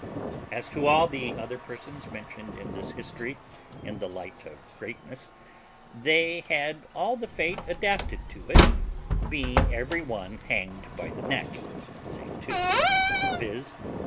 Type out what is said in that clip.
As to all the other persons mentioned in this history in the light of greatness, they had all the fate adapted to it, being every one hanged by the neck, save two, viz.